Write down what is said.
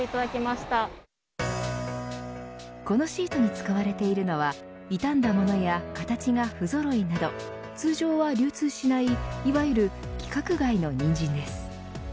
このシートに使われているの傷んだものや形がふぞろいなど通常は流通しない、いわゆる規格外のニンジンです。